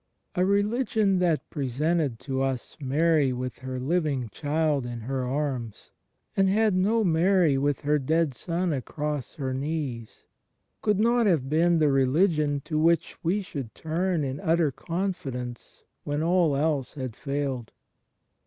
A religion that presented to us Mary with her living child in her arms, and had no Mary with her dead Son across her knees, could not have been the religion to which we should tiun in utter confidence when all else had failed.